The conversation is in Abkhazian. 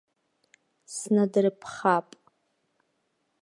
Снадырԥхап.